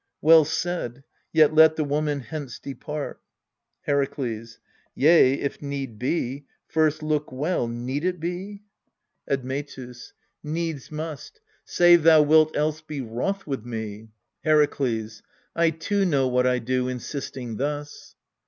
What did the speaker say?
Well said : yet let the woman hence depart. Herakles. Yea if need be. First look well need it be ? 236 EURIPIDKS Admetus. Needs must save thou wilt else be wroth with me. Herakles. I too know what I do, insisting thus.